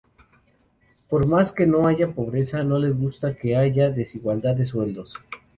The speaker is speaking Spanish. Por más que no haya pobreza, no les gusta que haya desigualdad de sueldos.